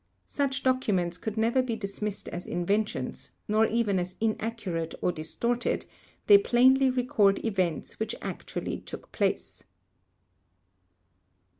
Such documents could never be dismissed as inventions, nor even as inaccurate or distorted; they plainly record events which actually took place.